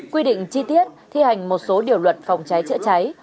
quy định chi tiết thi hành một số điều luật phòng cháy chữa cháy